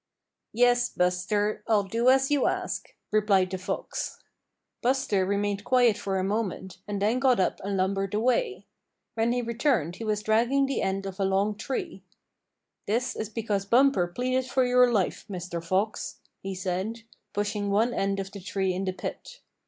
"Yes, Buster, I'll do as you ask," replied the Fox. Buster remained quiet for a moment, and then got up and lumbered away. When he returned he was dragging the end of a long tree. "This is because Bumper pleaded for your life, Mr. Fox," he said, pushing one end of the tree in the pit.